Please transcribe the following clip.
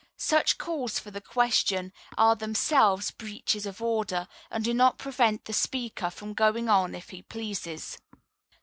Such calls for the question are themselves breaches of order, and do not prevent the speaker from going on if he pleases.